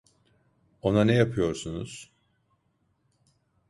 Ona ne yapıyorsunuz?